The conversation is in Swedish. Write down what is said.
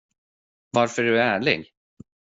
Varför var du ärlig?